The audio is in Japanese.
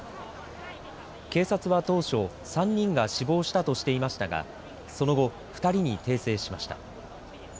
警察は当初３人が死亡したとしていましたがその後、２人に訂正しました。